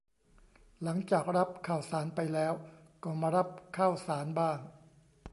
หลังจากรับข่าวสารไปแล้ว ก็มารับข้าวสารบ้าง